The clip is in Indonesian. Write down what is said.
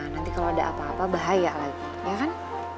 nanti kalau ada apa apa bahaya lagi ya kan